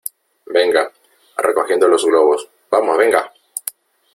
venga , recogiendo los globos .¡ vamos , venga !